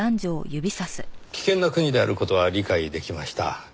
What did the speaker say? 危険な国である事は理解出来ました。